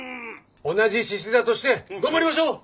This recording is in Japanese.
同じしし座として頑張りましょう！